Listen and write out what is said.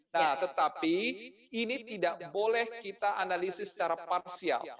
nah tetapi ini tidak boleh kita analisis secara parsial